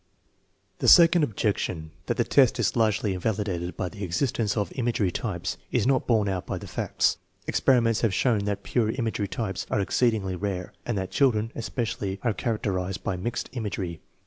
The second objection, that the test is largely invalidated TEST NO. VH, 3 195 by the existence of imagery types, is not borne out by the facts. Experiments have shown that pure imagery types are exceedingly rare, and that children, especially, are charac terized by " mixed " imagery.